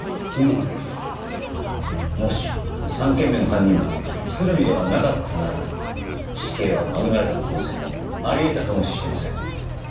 もし３件目の犯人が鶴見ではなかったなら死刑は免れた可能性もあり得たかもしれません。